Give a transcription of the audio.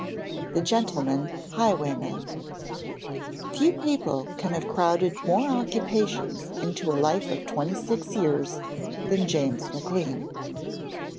] THE GENTLEMAN HIGHWAYMAN Few people can have crowded more occupations into a life of twenty six years than James Maclean.